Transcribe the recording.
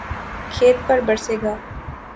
کھیت پر برسے گا